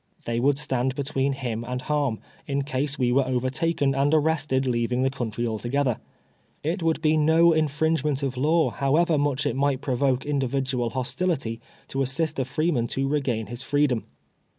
They would stand between him and harm, in case we were over taken and arrested leaving the country altogether. It ■would be no infringement of law, however much it might provoke individual hostility, to assist a freeman to regain his freedom.